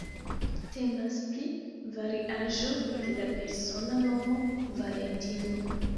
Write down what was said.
Temas pri variaĵo de la persona nomo "Valentino".